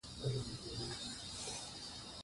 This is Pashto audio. خلک د هغه سفر ته په سترګو حیران شول.